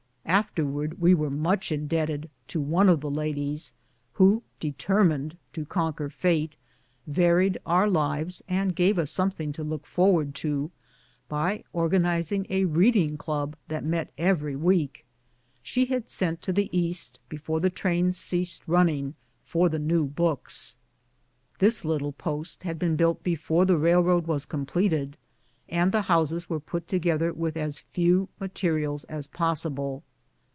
Afterwards we were much indebted to one of the ladies, who, de termined to conquer fate, varied our lives and gave us something to look forward to, by organizing a reading club that met every week. She had sent to the East, before the trains ceased running, for the new books. This little post had been built before the railroad was completed, and the houses were put together with as few materials as possible.